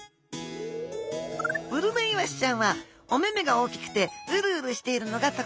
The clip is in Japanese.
ウルメイワシちゃんはお目々が大きくてウルウルしているのがとくちょう。